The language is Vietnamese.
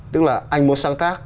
tức là anh muốn sáng tác